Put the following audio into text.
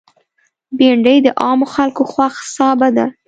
بېنډۍ د عامو خلکو خوښ سابه ده